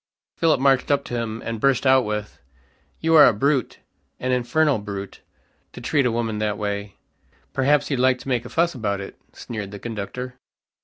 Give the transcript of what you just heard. Philip marched up to him, and burst out with, "You are a brute, an infernal brute, to treat a woman that way." "Perhaps you'd like to make a fuss about it," sneered the conductor.